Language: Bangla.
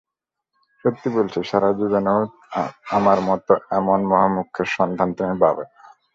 সত্যি বলছি, সারা জীবনেও আমার মতো এমন মহামূর্খের সন্ধান তুমি পাবে না।